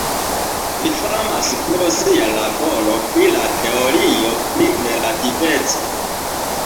Li famas pro sia laboro pri la teorio pri relativeco.